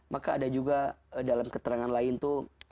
maka ada juga dalam keterangan lain itu